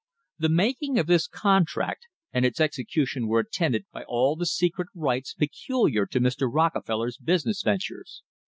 The making of this contract and its execution were attended by all the secret rites peculiar to Mr. Rockefeller's busi ness ventures.